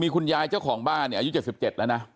คุณยายเจ้าของบ้านเนี่ยอายุ๗๗แล้วนะ